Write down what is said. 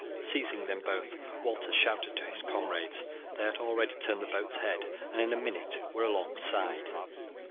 Seizing them both, Walter shouted to his comrades. They had already turned the boat's head, and in a minute were alongside.